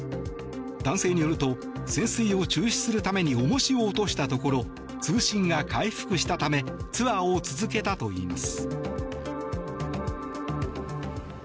男性によると潜水を中止するために重しを落としたところ通信が回復したためツアーを続けたといいます。